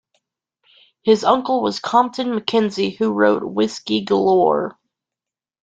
His uncle was Compton MacKenzie, who wrote "Whisky Galore".